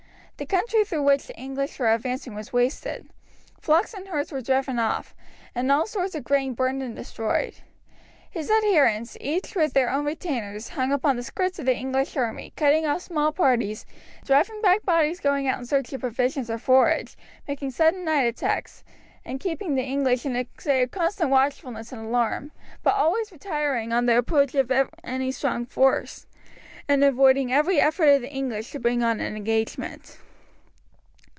The country through which the English were advancing was wasted. Flocks and herds were driven off, and all stores of grain burned and destroyed. His adherents, each with their own retainers, hung upon the skirts of the English army, cutting off small parties, driving back bodies going out in search of provisions or forage, making sudden night attacks, and keeping the English in a state of constant watchfulness and alarm, but always retiring on the approach of any strong force, and avoiding every effort of the English to bring on an engagement.